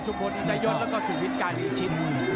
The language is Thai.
ชุมพลอินทรยศแล้วก็สวิตรการหลีชิน